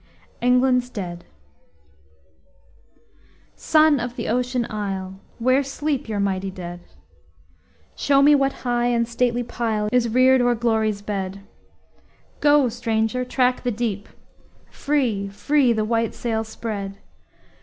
ENGLAND'S DEAD Son of the Ocean Isle! Where sleep your mighty dead? Show me what high and stately pile Is reared o'er Glory's bed. Go, stranger! track the deep Free, free, the white sail spread!